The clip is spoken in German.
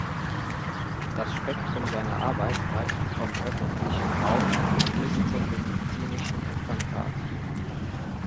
Das Spektrum seiner Arbeit reicht vom öffentlichen Raum bis zum medizinischen Implantat.